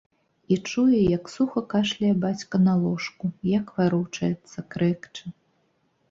І чуе, як суха кашляе бацька на ложку, як варочаецца, крэкча.